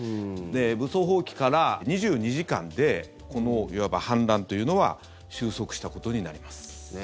武装蜂起から２２時間でこのいわば反乱というのは収束したことになります。